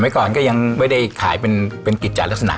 ก่อนก็ยังไม่ได้ขายเป็นกิจจัดลักษณะ